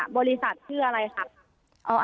บริษัทชื่ออะไรครับ